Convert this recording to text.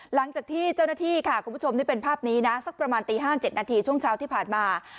หลังจากที่เจ้าหน้าที่ค่ะคุณผู้ชมนี่เป็นภาพนี้นะสักประมาณตี๕๗นาทีช่วงเช้าที่ผ่านมา